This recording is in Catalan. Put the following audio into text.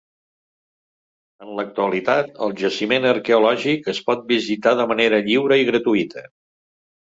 En l'actualitat, el jaciment arqueològic es pot visitar de manera lliure i gratuïta.